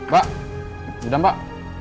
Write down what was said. pak sudah pak